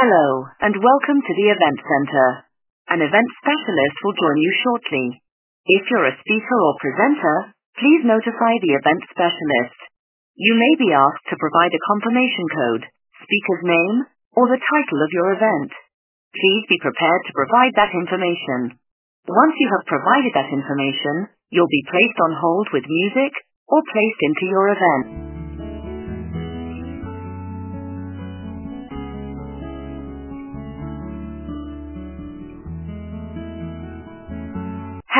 Hello, and welcome to the Event Center. An event specialist will join you shortly. If you're a speaker or presenter, please notify the event specialist. You may be asked to provide a confirmation code, speaker's name, or the title of your event. Please be prepared to provide that information. Once you have provided that information, you'll be placed on hold with music or placed into your event.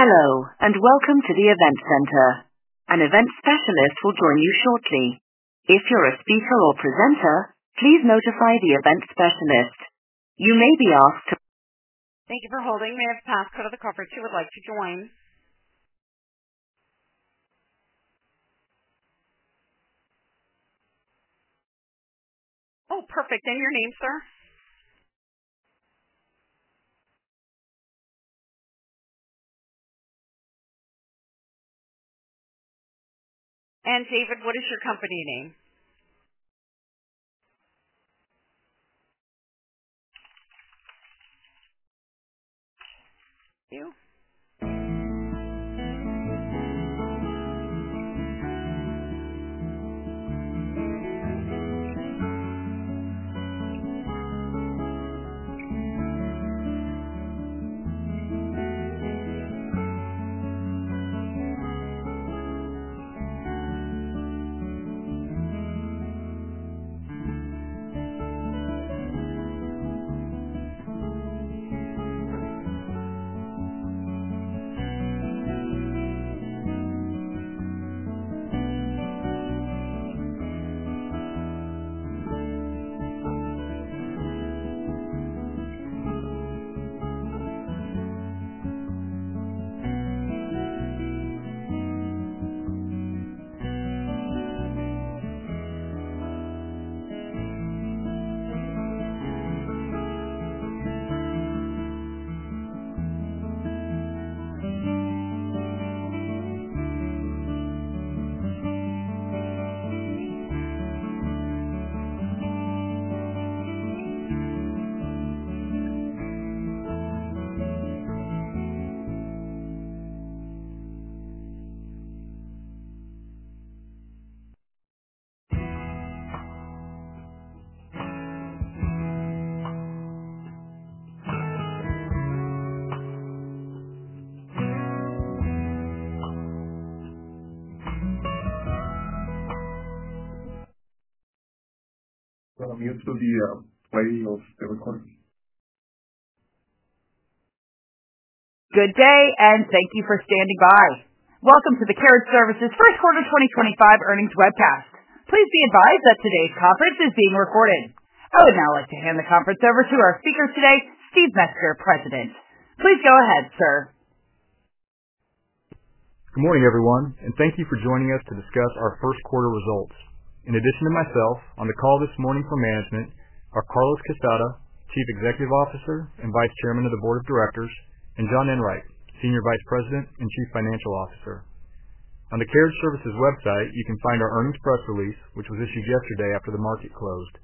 Hello, and welcome to the Event Center. An event specialist will join you shortly. If you're a speaker or presenter, please notify the event specialist. You may be asked to. Thank you for holding. May I have the passcode of the conference you would like to join? Oh, perfect. And your name, sir? David, what is your company name? You have to be afraid of the recording. Good day, and thank you for standing by. Welcome to the Carriage Services First Quarter 2025 earnings webcast. Please be advised that today's conference is being recorded. I would now like to hand the conference over to our speaker today, Steve Metzger, President. Please go ahead, sir. Good morning, everyone, and thank you for joining us to discuss our first quarter results. In addition to myself, on the call this morning for management are Carlos Quezada, Chief Executive Officer and Vice Chairman of the Board of Directors, and John Enwright, Senior Vice President and Chief Financial Officer. On the Carriage Services website, you can find our earnings press release, which was issued yesterday after the market closed.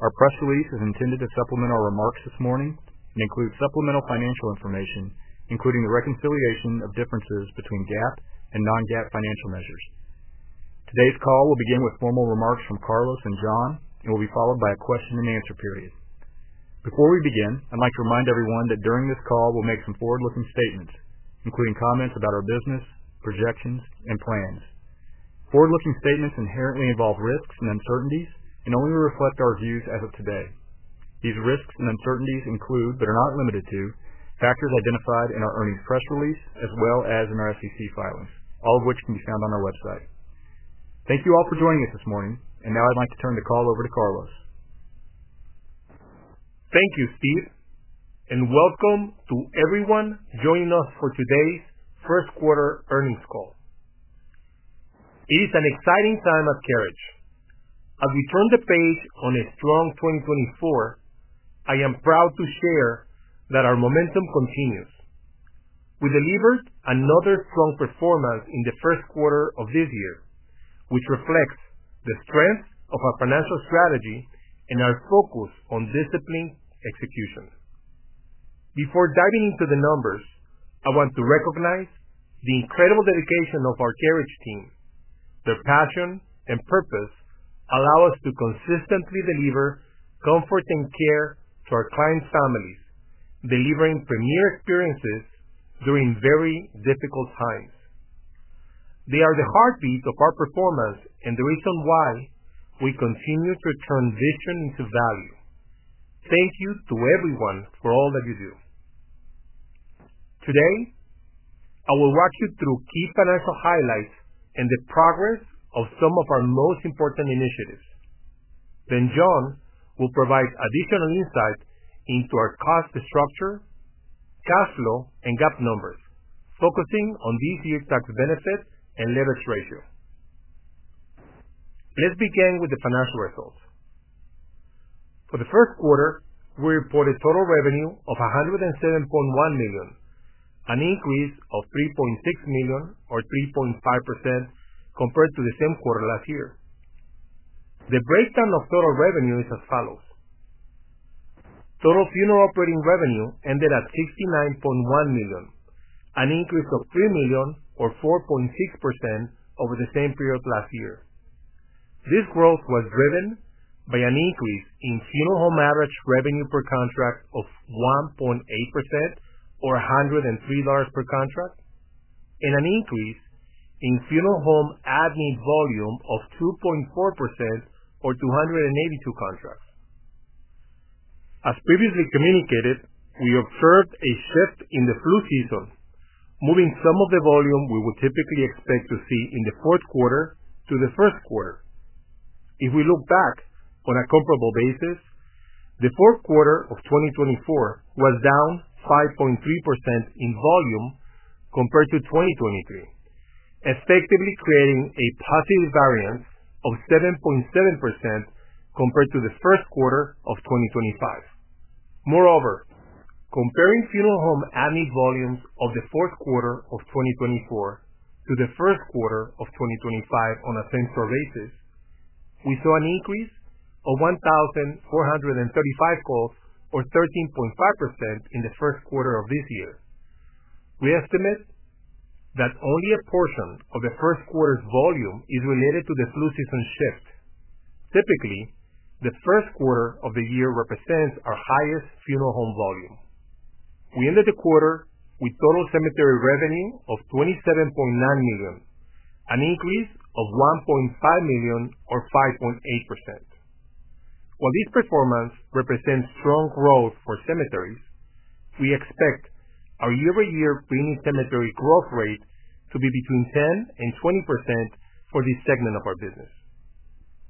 Our press release is intended to supplement our remarks this morning and includes supplemental financial information, including the reconciliation of differences between GAAP and non-GAAP financial measures. Today's call will begin with formal remarks from Carlos and John, and will be followed by a question-and-answer period. Before we begin, I'd like to remind everyone that during this call, we'll make some forward-looking statements, including comments about our business, projections, and plans. Forward-looking statements inherently involve risks and uncertainties and only reflect our views as of today. These risks and uncertainties include, but are not limited to, factors identified in our earnings press release as well as in our SEC filings, all of which can be found on our website. Thank you all for joining us this morning, and now I'd like to turn the call over to Carlos. Thank you, Steve, and welcome to everyone joining us for today's first quarter earnings call. It is an exciting time at Carriage. As we turn the page on a strong 2024, I am proud to share that our momentum continues. We delivered another strong performance in the first quarter of this year, which reflects the strength of our financial strategy and our focus on disciplined execution. Before diving into the numbers, I want to recognize the incredible dedication of our Carriage team. Their passion and purpose allow us to consistently deliver comfort and care to our clients' families, delivering premier experiences during very difficult times. They are the heartbeat of our performance and the reason why we continue to turn vision into value. Thank you to everyone for all that you do. Today, I will walk you through key financial highlights and the progress of some of our most important initiatives. John will provide additional insight into our cost structure, cash flow, and GAAP numbers, focusing on this year's tax benefit and leverage ratio. Let's begin with the financial results. For the first quarter, we reported total revenue of $107.1 million, an increase of $3.6 million, or 3.5%, compared to the same quarter last year. The breakdown of total revenue is as follows. Total funeral operating revenue ended at $69.1 million, an increase of $3 million, or 4.6%, over the same period last year. This growth was driven by an increase in funeral home average revenue per contract of 1.8%, or $103 per contract, and an increase in funeral home at-need volume of 2.4%, or 282 contracts. As previously communicated, we observed a shift in the flu season, moving some of the volume we would typically expect to see in the fourth quarter to the first quarter. If we look back on a comparable basis, the fourth quarter of 2024 was down 5.3% in volume compared to 2023, effectively creating a positive variance of 7.7% compared to the first quarter of 2025. Moreover, comparing funeral home at-need volumes of the fourth quarter of 2024 to the first quarter of 2025 on a same-store basis, we saw an increase of 1,435 calls, or 13.5%, in the first quarter of this year. We estimate that only a portion of the first quarter's volume is related to the flu season shift. Typically, the first quarter of the year represents our highest funeral home volume. We ended the quarter with total cemetery revenue of $27.9 million, an increase of $1.5 million, or 5.8%. While this performance represents strong growth for cemeteries, we expect our year-over-year pre-need cemetery growth rate to be between 10-20% for this segment of our business.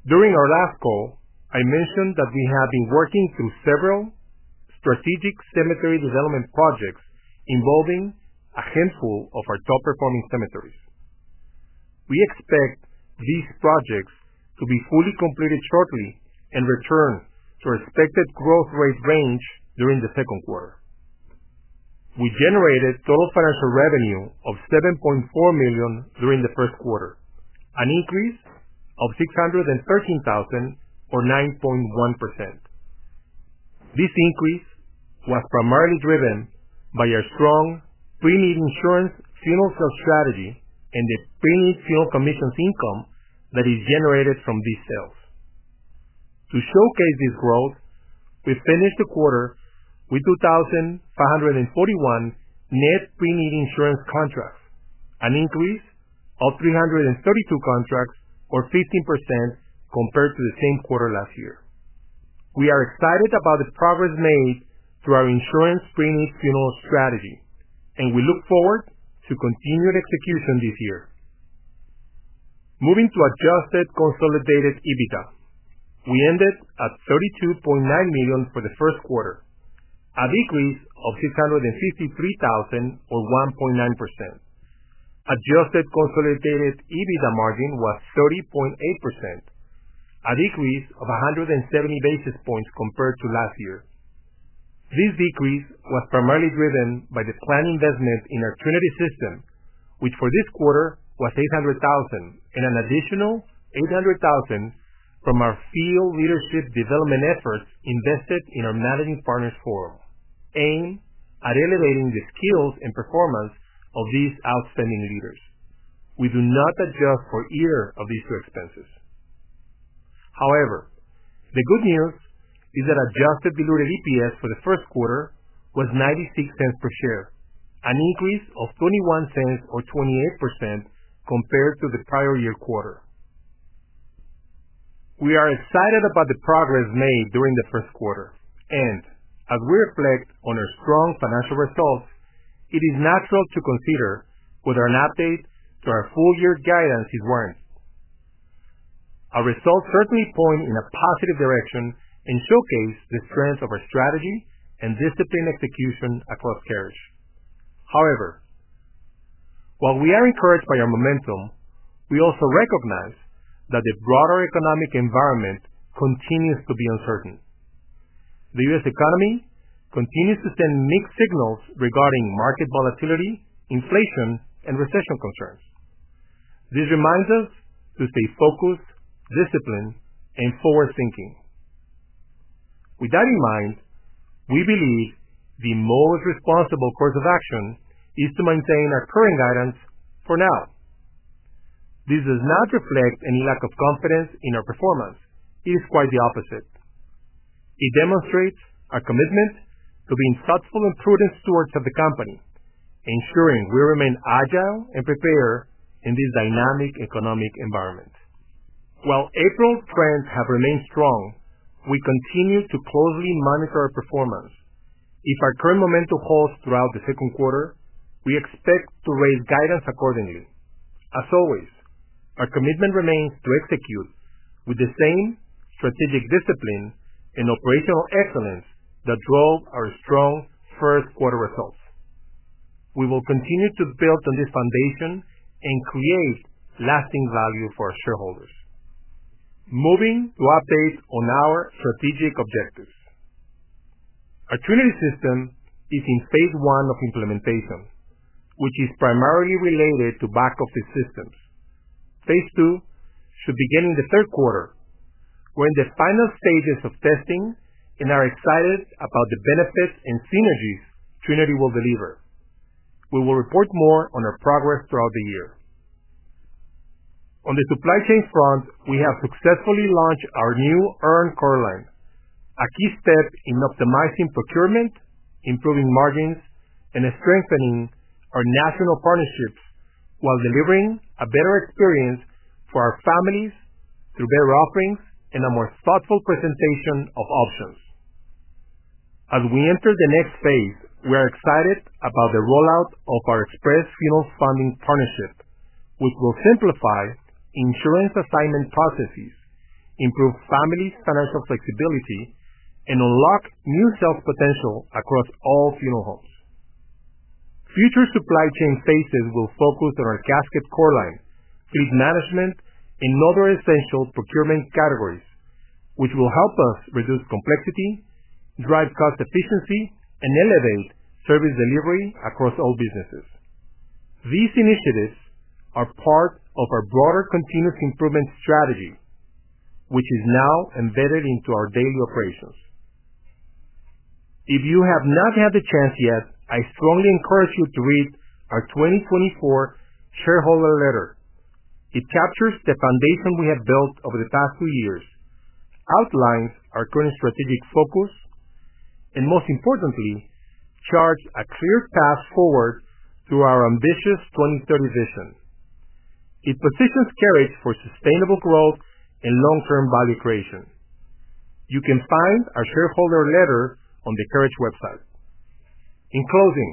During our last call, I mentioned that we have been working through several strategic cemetery development projects involving a handful of our top-performing cemeteries. We expect these projects to be fully completed shortly and return to our expected growth rate range during the second quarter. We generated total financial revenue of $7.4 million during the first quarter, an increase of $613,000, or 9.1%. This increase was primarily driven by our strong pre-need insurance funeral sales strategy and the pre-need funeral commissions income that is generated from these sales. To showcase this growth, we finished the quarter with 2,541 net pre-need insurance contracts, an increase of 332 contracts, or 15%, compared to the same quarter last year. We are excited about the progress made through our insurance pre-need funeral strategy, and we look forward to continued execution this year. Moving to adjusted consolidated EBITDA, we ended at $32.9 million for the first quarter, a decrease of $653,000, or 1.9%. Adjusted consolidated EBITDA margin was 30.8%, a decrease of 170 basis points compared to last year. This decrease was primarily driven by the planned investment in our Trinity System, which for this quarter was $800,000, and an additional $800,000 from our field leadership development efforts invested in our Managing Partner Forum, aimed at elevating the skills and performance of these outstanding leaders. We do not adjust for either of these two expenses. However, the good news is that adjusted diluted EPS for the first quarter was $0.96 per share, an increase of $0.21, or 28%, compared to the prior year quarter. We are excited about the progress made during the first quarter, and as we reflect on our strong financial results, it is natural to consider whether an update to our full-year guidance is warranted. Our results certainly point in a positive direction and showcase the strength of our strategy and discipline execution across Carriage. However, while we are encouraged by our momentum, we also recognize that the broader economic environment continues to be uncertain. The U.S. economy continues to send mixed signals regarding market volatility, inflation, and recession concerns. This reminds us to stay focused, disciplined, and forward-thinking. With that in mind, we believe the most responsible course of action is to maintain our current guidance for now. This does not reflect any lack of confidence in our performance. It is quite the opposite. It demonstrates our commitment to being thoughtful and prudent stewards of the company, ensuring we remain agile and prepared in this dynamic economic environment. While April's trends have remained strong, we continue to closely monitor our performance. If our current momentum holds throughout the second quarter, we expect to raise guidance accordingly. As always, our commitment remains to execute with the same strategic discipline and operational excellence that drove our strong first quarter results. We will continue to build on this foundation and create lasting value for our shareholders. Moving to update on our strategic objectives. Our Trinity System is in phase one of implementation, which is primarily related to back-office systems. Phase two should begin in the third quarter, we are in the final stages of testing, and are excited about the benefits and synergies Trinity will deliver. We will report more on our progress throughout the year. On the supply chain front, we have successfully launched our new urn core line, a key step in optimizing procurement, improving margins, and strengthening our national partnerships while delivering a better experience for our families through better offerings and a more thoughtful presentation of options. As we enter the next phase, we are excited about the rollout of our Express Funeral Funding partnership, which will simplify insurance assignment processes, improve family financial flexibility, and unlock new sales potential across all funeral homes. Future supply chain phases will focus on our casket core line, fleet management, and other essential procurement categories, which will help us reduce complexity, drive cost efficiency, and elevate service delivery across all businesses. These initiatives are part of our broader continuous improvement strategy, which is now embedded into our daily operations. If you have not had the chance yet, I strongly encourage you to read our 2024 shareholder letter. It captures the foundation we have built over the past two years, outlines our current strategic focus, and most importantly, charts a clear path forward through our ambitious 2030 vision. It positions Carriage for sustainable growth and long-term value creation. You can find our shareholder letter on the Carriage website. In closing,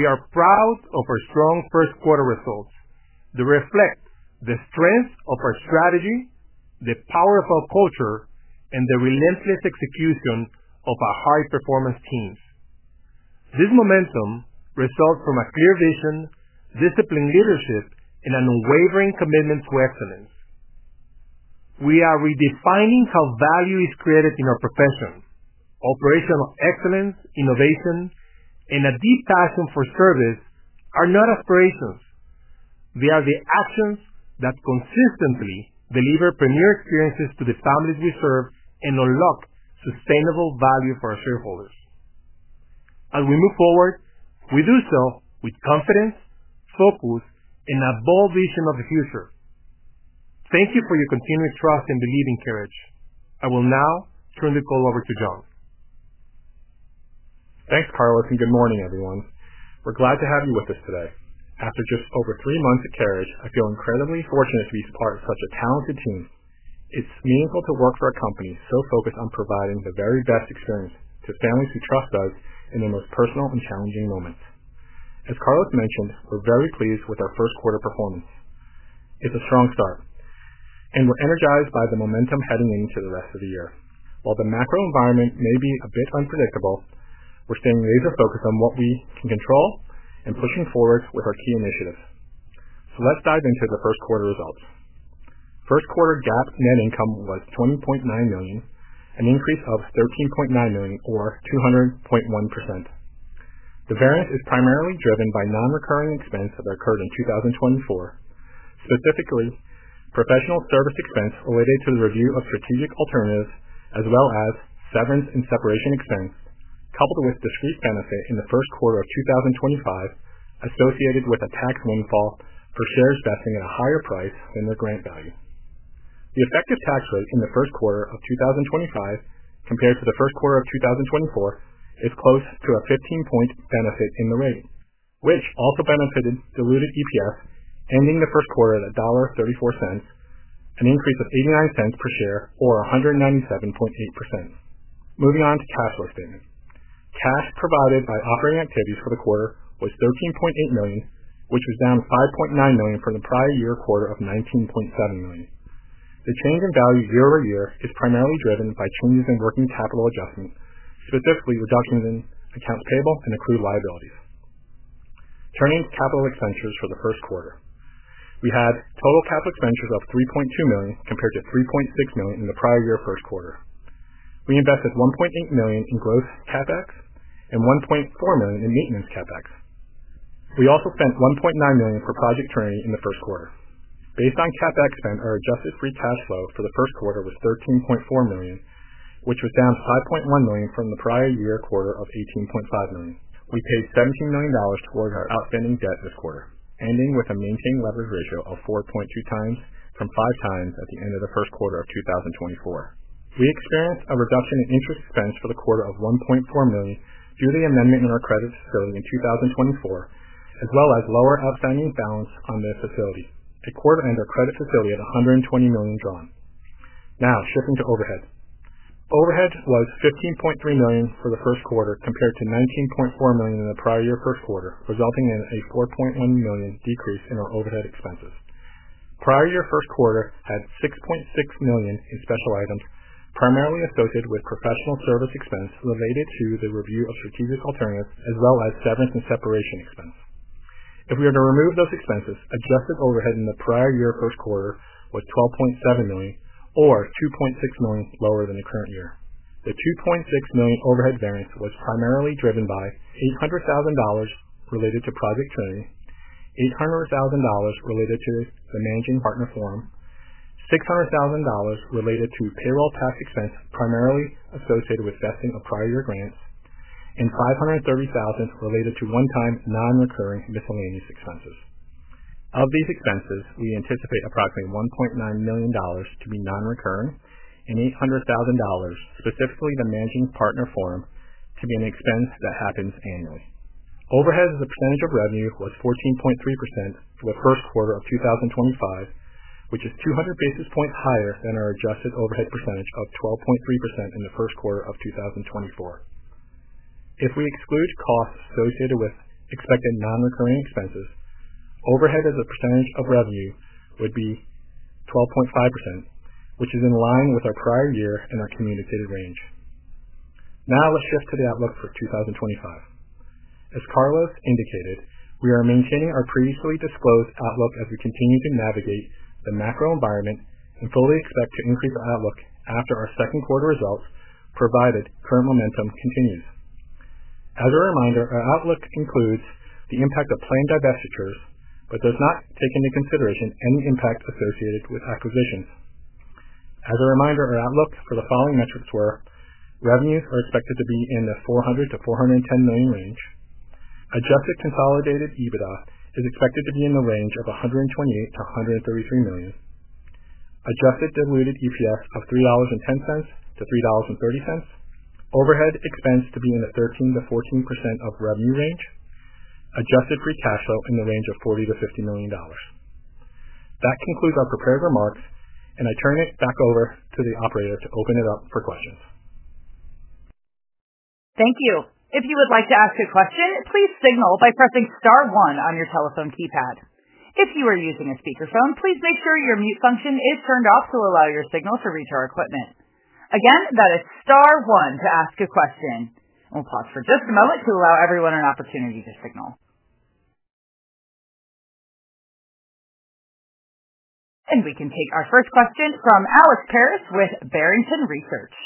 we are proud of our strong first quarter results that reflect the strength of our strategy, the power of our culture, and the relentless execution of our high-performance teams. This momentum results from a clear vision, disciplined leadership, and an unwavering commitment to excellence. We are redefining how value is created in our profession. Operational excellence, innovation, and a deep passion for service are not aspirations. They are the actions that consistently deliver premier experiences to the families we serve and unlock sustainable value for our shareholders. As we move forward, we do so with confidence, focus, and a bold vision of the future. Thank you for your continued trust and belief in Carriage. I will now turn the call over to John. Thanks, Carlos, and good morning, everyone. We're glad to have you with us today. After just over three months at Carriage, I feel incredibly fortunate to be part of such a talented team. It's meaningful to work for a company so focused on providing the very best experience to families who trust us in their most personal and challenging moments. As Carlos mentioned, we're very pleased with our first quarter performance. It's a strong start, and we're energized by the momentum heading into the rest of the year. While the macro environment may be a bit unpredictable, we're staying laser-focused on what we can control and pushing forward with our key initiatives. Let's dive into the first quarter results. First quarter GAAP net income was $20.9 million, an increase of $13.9 million, or 200.1%. The variance is primarily driven by non-recurring expenses that occurred in 2024, specifically professional service expenses related to the review of strategic alternatives, as well as severance and separation expenses, coupled with a discrete benefit in the first quarter of 2025, associated with a tax windfall for shares vesting at a higher price than their grant value. The effective tax rate in the first quarter of 2025, compared to the first quarter of 2024, is close to a 15-point benefit in the rate, which also benefited diluted EPS, ending the first quarter at $1.34, an increase of $0.89 per share, or 197.8%. Moving on to cash flow statement. Cash provided by operating activities for the quarter was $13.8 million, which was down $5.9 million from the prior year quarter of $19.7 million. The change in value year over year is primarily driven by changes in working capital adjustment, specifically reductions in accounts payable and accrued liabilities. Turning to capital expenditures for the first quarter, we had total capital expenditures of $3.2 million compared to $3.6 million in the prior year first quarter. We invested $1.8 million in growth CapEx and $1.4 million in maintenance CapEx. We also spent $1.9 million for Project Trinity in the first quarter. Based on CapEx spent, our adjusted free cash flow for the first quarter was $13.4 million, which was down $5.1 million from the prior year quarter of $18.5 million. We paid $17 million towards our outstanding debt this quarter, ending with a maintained leverage ratio of 4.2 times from 5 times at the end of the first quarter of 2024. We experienced a reduction in interest expense for the quarter of $1.4 million due to the amendment in our credit facility in 2024, as well as lower outstanding balance on the facility. At quarter-end our credit facility had $120 million drawn. Now, shifting to overhead. Overhead was $15.3 million for the first quarter compared to $19.4 million in the prior year first quarter, resulting in a $4.1 million decrease in our overhead expenses. Prior year first quarter had $6.6 million in special items, primarily associated with professional service expenses related to the review of strategic alternatives, as well as severance and separation expense. If we were to remove those expenses, adjusted overhead in the prior year first quarter was $12.7 million, or $2.6 million lower than the current year. The $2.6 million overhead variance was primarily driven by $800,000 related to Project Trinity, $800,000 related to the managing partner forum, $600,000 related to payroll tax expenses primarily associated with vesting of prior year grants, and $530,000 related to one-time non-recurring miscellaneous expenses. Of these expenses, we anticipate approximately $1.9 million to be non-recurring and $800,000, specifically the managing partner forum, to be an expense that happens annually. Overhead as a percentage of revenue was 14.3% for the first quarter of 2025, which is 200 basis points higher than our adjusted overhead percentage of 12.3% in the first quarter of 2024. If we exclude costs associated with expected non-recurring expenses, overhead as a percentage of revenue would be 12.5%, which is in line with our prior year and our communicated range. Now, let's shift to the outlook for 2025. As Carlos indicated, we are maintaining our previously disclosed outlook as we continue to navigate the macro environment and fully expect to increase our outlook after our second quarter results provided current momentum continues. As a reminder, our outlook includes the impact of planned divestitures but does not take into consideration any impact associated with acquisitions. As a reminder, our outlook for the following metrics were revenues are expected to be in the $400-$410 million range. Adjusted consolidated EBITDA is expected to be in the range of $128-$133 million. Adjusted diluted EPS of $3.10-$3.30. Overhead expense to be in the 13%-14% of revenue range. Adjusted free cash flow in the range of $40-$50 million. That concludes our prepared remarks, and I turn it back over to the operator to open it up for questions. Thank you. If you would like to ask a question, please signal by pressing Star 1 on your telephone keypad. If you are using a speakerphone, please make sure your mute function is turned off to allow your signal to reach our equipment. Again, that is Star 1 to ask a question. We'll pause for just a moment to allow everyone an opportunity to signal. We can take our first question from Alex Paris with Barrington Research.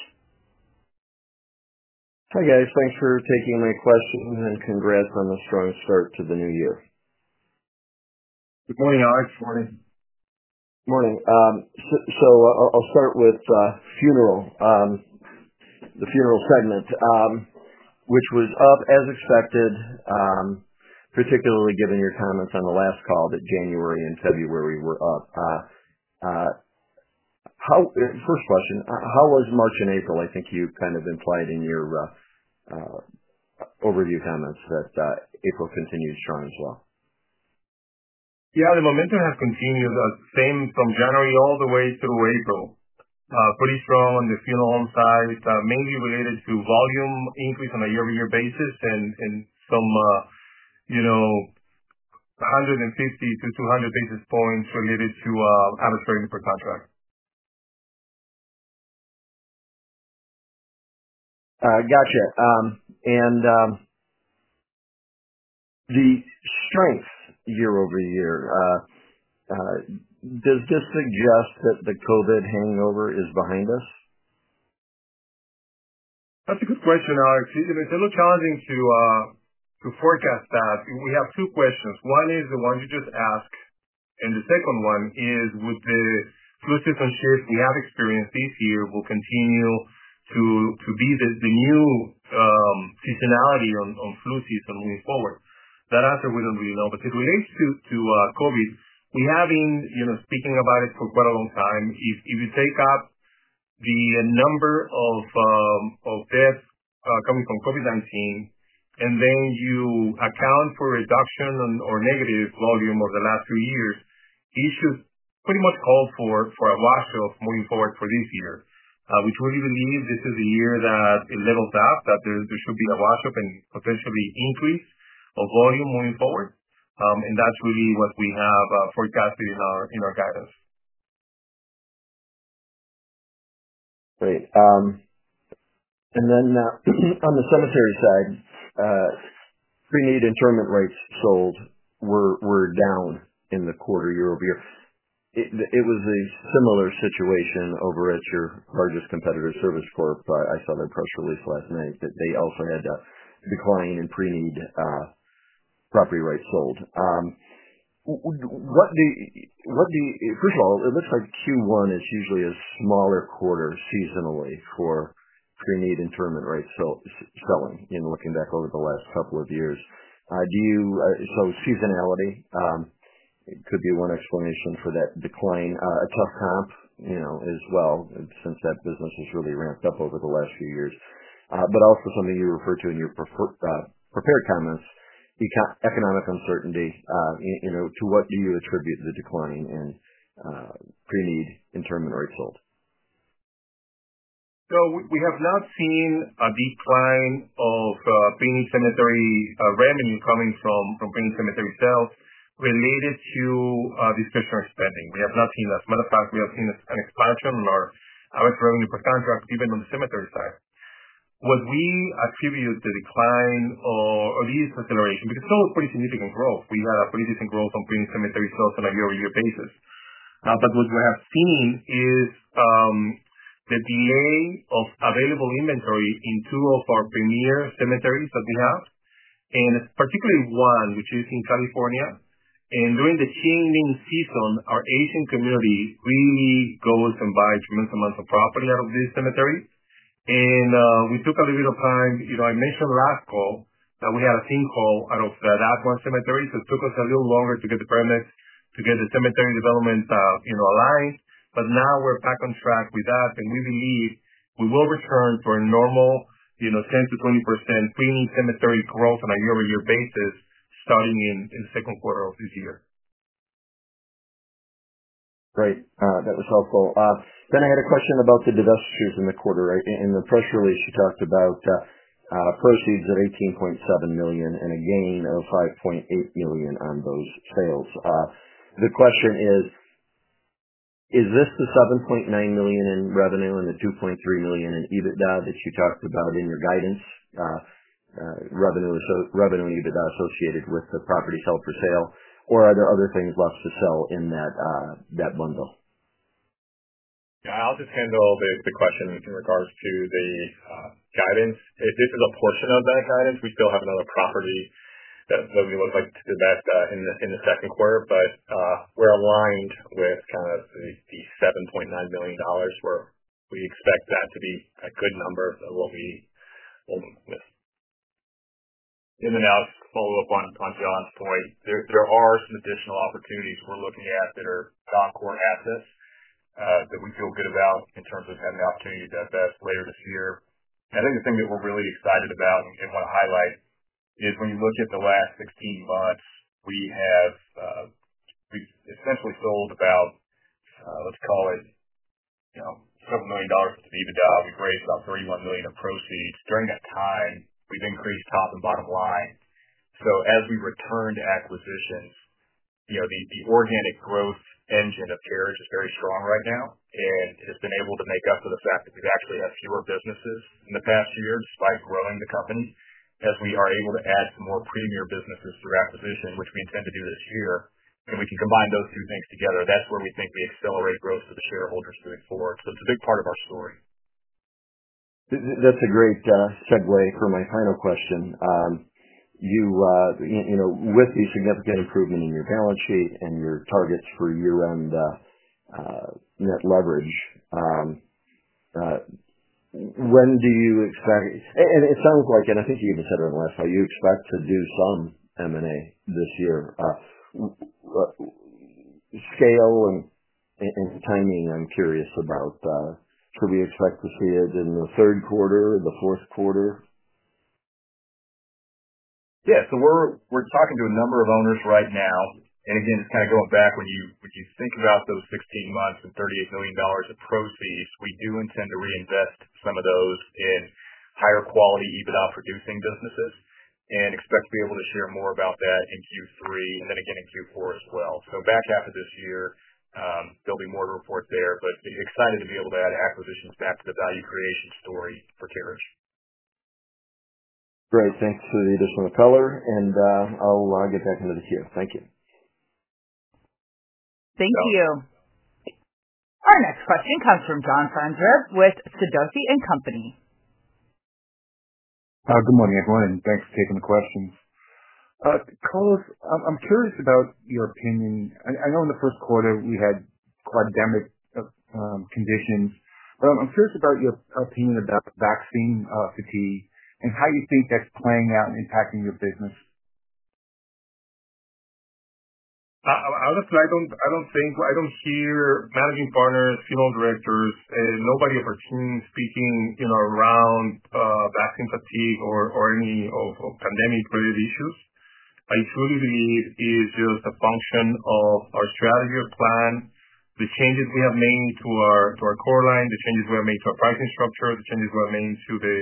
Hi guys. Thanks for taking my question and congrats on a strong start to the new year. Good morning, Alex. Morning. Morning. I'll start with funeral, the funeral segment, which was up as expected, particularly given your comments on the last call that January and February were up. First question, how was March and April? I think you kind of implied in your overview comments that April continued strong as well. Yeah, the momentum has continued the same from January all the way through April. Pretty strong on the funeral home side, mainly related to volume increase on a year-over-year basis and some 150 to 200 basis points related to adversarial for contract. Gotcha. The strength year over year, does this suggest that the COVID hangover is behind us? That's a good question, Alex. It's a little challenging to forecast that. We have two questions. One is the one you just asked, and the second one is, would the flu season shift we have experienced this year continue to be the new seasonality on flu season moving forward? That answer we don't really know, but it relates to COVID. We have been speaking about it for quite a long time. If you take up the number of deaths coming from COVID-19 and then you account for reduction or negative volume over the last few years, it should pretty much call for a washout moving forward for this year, which we really believe this is the year that it levels out, that there should be a washout and potentially increase of volume moving forward. That's really what we have forecasted in our guidance. Great. Then on the cemetery side, pre-need interment rights sold were down in the quarter year over year. It was a similar situation over at your largest competitor, Service Corporation International. I saw their press release last night that they also had a decline in pre-need property rates sold. First of all, it looks like Q1 is usually a smaller quarter seasonally for pre-need interment rights selling and looking back over the last couple of years. Seasonality could be one explanation for that decline. A tough comp as well since that business has really ramped up over the last few years. Also, something you referred to in your prepared comments, economic uncertainty. To what do you attribute the decline in pre-need interment rights sold? We have not seen a decline of pre-need cemetery revenue coming from pre-need cemetery sales related to discretionary spending. We have not seen that. As a matter of fact, we have seen an expansion in our average revenue per contract, even on the cemetery side. What we attribute the decline or at least acceleration, because still pretty significant growth. We had a pretty decent growth on pre-need cemetery sales on a year-over-year basis. What we have seen is the delay of available inventory in two of our premier cemeteries that we have, and particularly one, which is in California. During the Qingming season, our Asian community really goes and buys tremendous amounts of property out of these cemeteries. We took a little bit of time. I mentioned last call that we had a think call out of that one cemetery. It took us a little longer to get the permits to get the cemetery development aligned. Now we're back on track with that, and we believe we will return for a normal 10%-20% pre-need cemetery growth on a year-over-year basis starting in the second quarter of this year. Great. That was helpful. I had a question about the divestitures in the quarter. In the press release, you talked about proceeds of $18.7 million and a gain of $5.8 million on those sales. The question is, is this the $7.9 million in revenue and the $2.3 million in EBITDA that you talked about in your guidance, revenue and EBITDA associated with the property sold for sale? Or are there other things left to sell in that bundle? Yeah, I'll just handle the question in regards to the guidance. This is a portion of that guidance. We still have another property that we would like to divest in the second quarter, but we're aligned with kind of the $7.9 million where we expect that to be a good number of what we will invest. Alex, following up on John's point, there are some additional opportunities we're looking at that are non-core assets that we feel good about in terms of having the opportunity to divest later this year. I think the thing that we're really excited about and want to highlight is when you look at the last 16 months, we have essentially sold about, let's call it, several million dollars worth of EBITDA. We've raised about $31 million in proceeds. During that time, we've increased top and bottom line. As we return to acquisitions, the organic growth engine of Carriage is very strong right now, and it has been able to make up for the fact that we've actually had fewer businesses in the past year despite growing the company as we are able to add some more premier businesses through acquisition, which we intend to do this year. We can combine those two things together. That is where we think we accelerate growth for the shareholders moving forward. It is a big part of our story. That's a great segue for my final question. With the significant improvement in your balance sheet and your targets for year-end net leverage, when do you expect, and it sounds like, and I think you even said it last time, you expect to do some M&A this year. Scale and timing, I'm curious about. Should we expect to see it in the third quarter, the fourth quarter? Yeah. We are talking to a number of owners right now. Again, just kind of going back, when you think about those 16 months and $38 million of proceeds, we do intend to reinvest some of those in higher quality EBITDA producing businesses and expect to be able to share more about that in Q3 and then again in Q4 as well. Back half of this year, there will be more reports there, but excited to be able to add acquisitions back to the value creation story for Carriage. Great. Thanks for the additional color, and I'll get back into the queue. Thank you. Thank you. Our next question comes from John Farnsworth with Sidoti & Company. Good morning, everyone, and thanks for taking the questions. Carlos, I'm curious about your opinion. I know in the first quarter we had quite endemic conditions, but I'm curious about your opinion about vaccine fatigue and how you think that's playing out and impacting your business. Honestly, I don't hear managing partners, funeral directors, and nobody of our team speaking around vaccine fatigue or any of pandemic-related issues. I truly believe it is just a function of our strategy or plan, the changes we have made to our core line, the changes we have made to our pricing structure, the changes we have made to the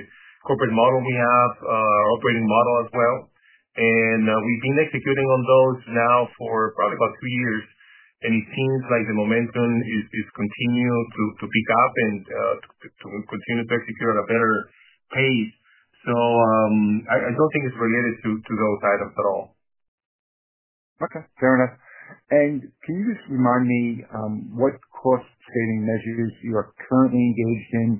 corporate model we have, our operating model as well. We've been executing on those now for probably about two years, and it seems like the momentum is continuing to pick up and to continue to execute at a better pace. I don't think it's related to those items at all. Okay. Fair enough. Can you just remind me what cost-saving measures you are currently engaged in,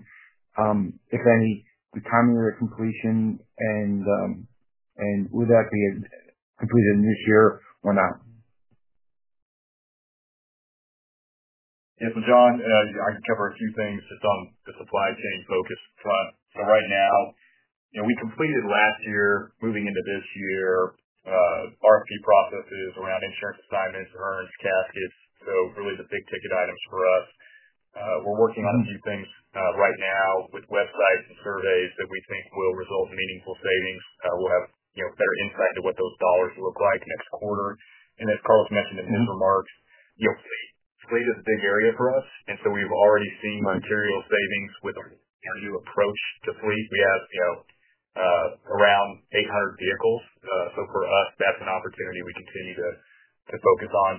if any, the timing of the completion, and would that be completed this year or not? Yeah. John, I can cover a few things just on the supply chain focus. Right now, we completed last year, moving into this year, RFP processes around insurance assignments, urns, caskets. Really the big ticket items for us. We're working on a few things right now with websites and surveys that we think will result in meaningful savings. We'll have better insight into what those dollars look like next quarter. As Carlos mentioned in his remarks, fleet is a big area for us. We've already seen material savings with our new approach to fleet. We have around 800 vehicles. For us, that's an opportunity we continue to focus on.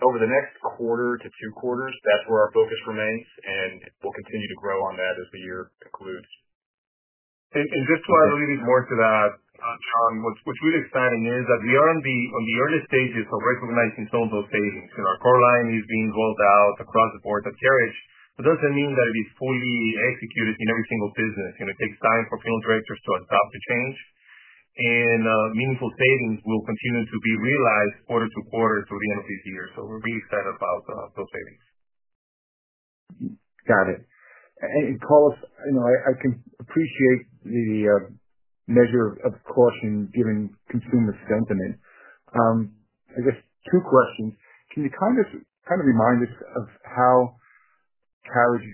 Over the next quarter to two quarters, that's where our focus remains, and we'll continue to grow on that as the year concludes. To add a little bit more to that, John, what's really exciting is that we are on the early stages of recognizing some of those savings. Our core line is being rolled out across the board at Carriage, but that does not mean that it is fully executed in every single business. It takes time for funeral directors to adopt the change, and meaningful savings will continue to be realized quarter to quarter through the end of this year. We are really excited about those savings. Got it. Carlos, I can appreciate the measure of caution given consumer sentiment. I guess two questions. Can you kind of remind us of how Carriage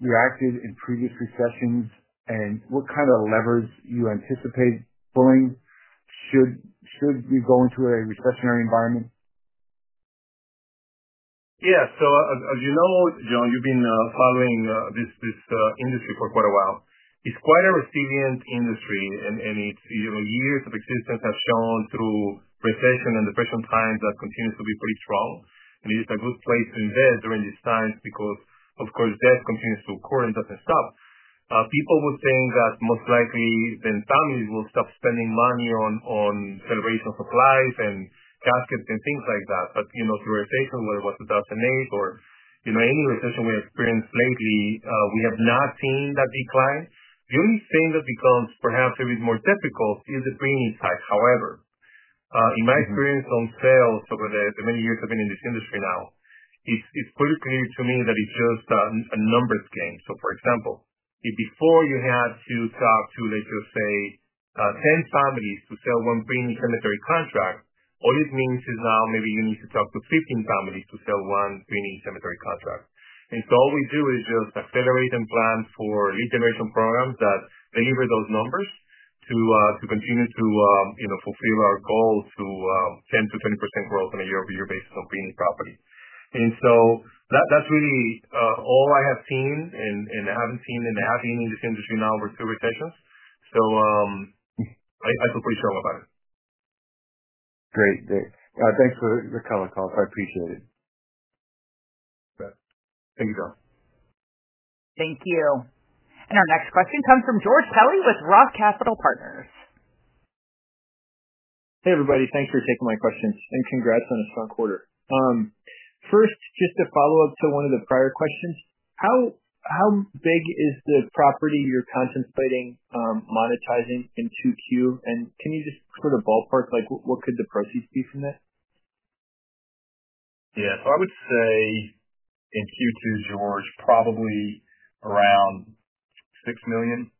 reacted in previous recessions and what kind of levers you anticipate pulling should we go into a recessionary environment? Yeah. As you know, John, you've been following this industry for quite a while. It's quite a resilient industry, and its years of existence have shown through recession and depression times that it continues to be pretty strong. It is a good place to invest during these times because, of course, death continues to occur and doesn't stop. People would think that most likely then families will stop spending money on celebration of supplies and caskets and things like that. Through recessions, whether it was 2008 or any recession we experienced lately, we have not seen that decline. The only thing that becomes perhaps a bit more difficult is the pre-need side. However, in my experience on sales over the many years I've been in this industry now, it's pretty clear to me that it's just a numbers game. For example, before you had to talk to, let's just say, 10 families to sell one pre-need cemetery contract, all it means is now maybe you need to talk to 15 families to sell one pre-need cemetery contract. All we do is just accelerate and plan for lead generation programs that deliver those numbers to continue to fulfill our goal to 10-20% growth on a year-over-year basis on pre-need property. That's really all I have seen, and I haven't seen, and I have been in this industry now over two recessions. I feel pretty strong about it. Great. Thanks for the color, Carlos. I appreciate it. Thank you, John. Thank you. Our next question comes from George Kelly with Roth Capital Partners. Hey, everybody. Thanks for taking my questions and congrats on a strong quarter. First, just to follow up to one of the prior questions, how big is the property you're contemplating monetizing in Q2? Can you just sort of ballpark what could the proceeds be from that? Yeah. I would say in Q2, George, probably around $6 million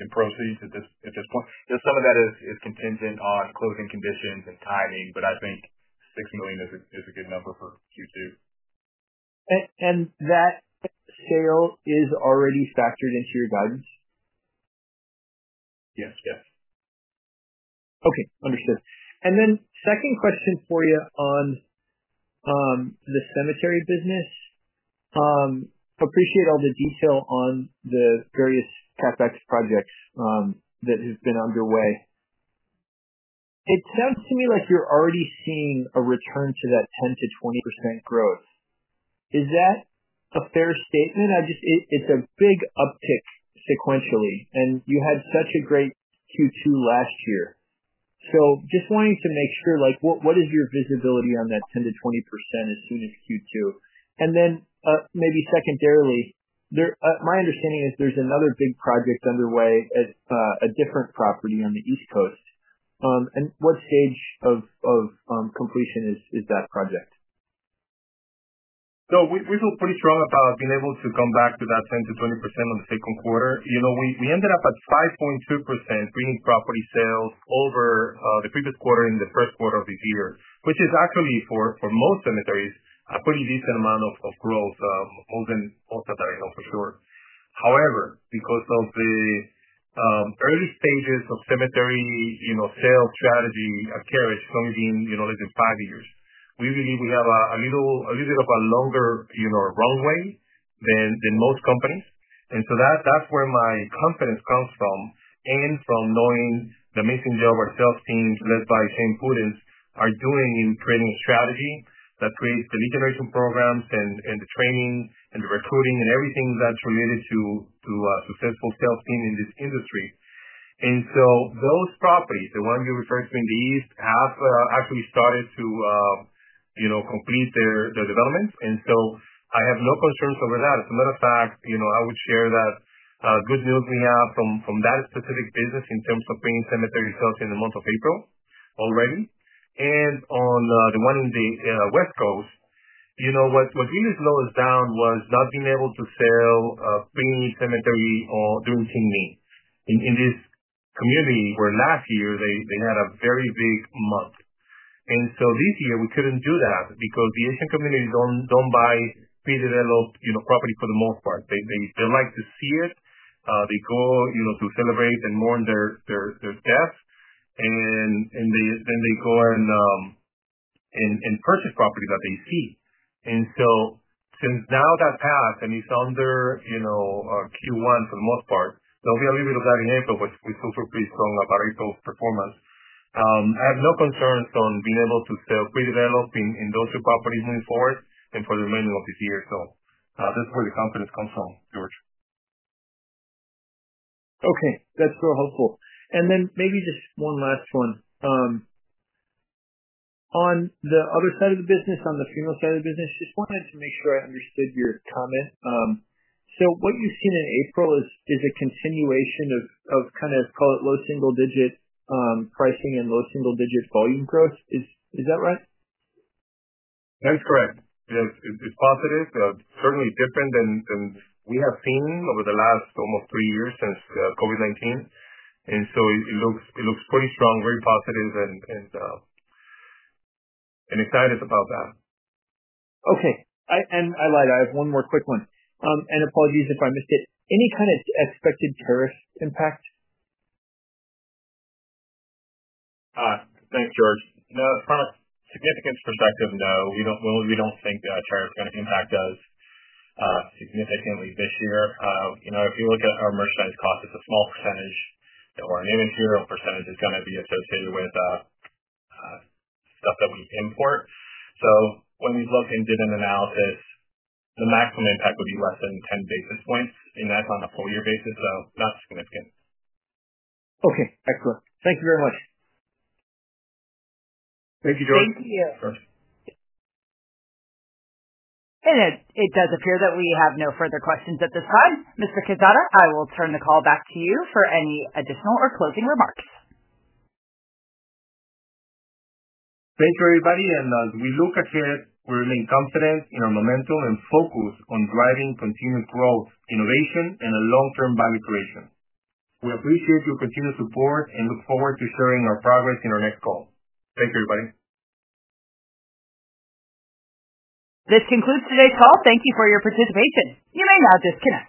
in proceeds at this point. Some of that is contingent on closing conditions and timing, but I think $6 million is a good number for Q2. That sale is already factored into your guidance? Yes. Yes. Okay. Understood. Then second question for you on the cemetery business. Appreciate all the detail on the various CapEx projects that have been underway. It sounds to me like you're already seeing a return to that 10-20% growth. Is that a fair statement? It's a big uptick sequentially, and you had such a great Q2 last year. Just wanting to make sure, what is your visibility on that 10-20% as soon as Q2? Maybe secondarily, my understanding is there's another big project underway at a different property on the East Coast. What stage of completion is that project? We feel pretty strong about being able to come back to that 10-20% on the second quarter. We ended up at 5.2% pre-need property sales over the previous quarter and the first quarter of this year, which is actually, for most cemeteries, a pretty decent amount of growth, most of that I know for sure. However, because of the early stages of cemetery sales strategy at Carriage, it's only been less than five years. We believe we have a little bit of a longer runway than most companies. That's where my confidence comes from and from knowing the amazing job our sales team, led by Shane Pudenz, are doing in creating a strategy that creates the lead generation programs and the training and the recruiting and everything that's related to a successful sales team in this industry. Those properties, the ones you referred to in the East, have actually started to complete their development. I have no concerns over that. As a matter of fact, I would share that good news we have from that specific business in terms of pre-need cemetery sales in the month of April already. On the one in the West Coast, what really slowed us down was not being able to sell pre-need cemetery during Qingming in this community where last year they had a very big month. This year we could not do that because the Asian community do not buy pre-developed property for the most part. They like to see it. They go to celebrate and mourn their death, and then they go and purchase property that they see. Since now that passed and it's under Q1 for the most part, there'll be a little bit of that in April, but we're still pretty strong about April's performance. I have no concerns on being able to sell pre-developed in those two properties moving forward and for the remainder of this year. That's where the confidence comes from, George. Okay. That's real helpful. Maybe just one last one. On the other side of the business, on the funeral side of the business, just wanted to make sure I understood your comment. What you've seen in April is a continuation of, call it, low single-digit pricing and low single-digit volume growth. Is that right? That is correct. It's positive. Certainly different than we have seen over the last almost three years since COVID-19. It looks pretty strong, very positive, and excited about that. Okay. I lied. I have one more quick one. Apologies if I missed it. Any kind of expected tariff impact? Thanks, George. From a significance perspective, no. We don't think tariffs are going to impact us significantly this year. If you look at our merchandise cost, it's a small percentage, or a near material percentage is going to be associated with stuff that we import. When we look and did an analysis, the maximum impact would be less than 10 basis points, and that's on a full-year basis. Not significant. Okay. Excellent. Thank you very much. Thank you, George. Thank you of course. It does appear that we have no further questions at this time. Mr. Quezada, I will turn the call back to you for any additional or closing remarks. Thank you, everybody. As we look ahead, we remain confident in our momentum and focus on driving continued growth, innovation, and long-term value creation. We appreciate your continued support and look forward to sharing our progress in our next call. Thank you, everybody. This concludes today's call. Thank you for your participation. You may now disconnect.